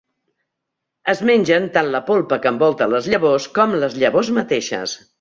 Es mengen tant la polpa que envolta les llavors com les llavors mateixes.